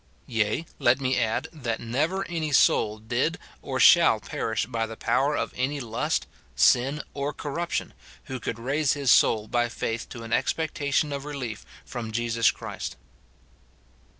Yea, le". me add, that never any soul did or shall perish by the power of any lust, sin, or corrup tion, who could raise his soul by faith to an expectation of relief from Jesus Christ.